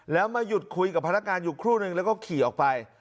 แล้วมาหยุดคุยกับพนักงานอยู่ครู่นึงแล้วก็ขี่ออกไป